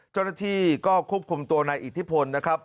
เจ้าหน้าที่ก็ควบคุมตัวนายอิทธิพลนะครับ